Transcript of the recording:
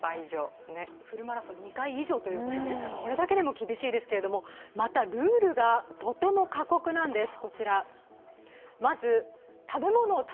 フルマラソン２回以上ということですから、これだけでも厳しいですが、またルールがとても過酷なんです。